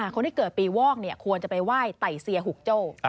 คนที่เกิดปีวอกควรจะไปไหว้ไต่เซียหุกโจ้